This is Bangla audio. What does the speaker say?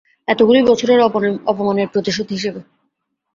এতগুলো বছরের অপমানের প্রতিশোধ হিসেবে।